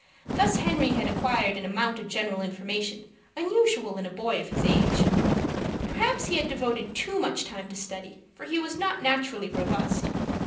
Thus Henry had acquired an amount of general information, unusual in a boy of his age. Perhaps he had devoted too much time to study, for he was not naturally robust.